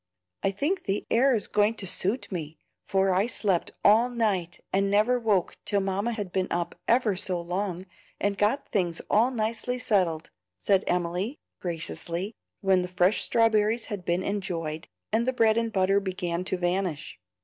"I think the air is going to suit me, for I slept all night and never woke till Mamma had been up ever so long and got things all nicely settled," said Emily, graciously, when the fresh strawberries had been enjoyed, and the bread and butter began to vanish.